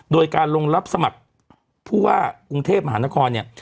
โดยการลงรับสมัครผู้ว่ากรุงเทพมหานครเนี่ย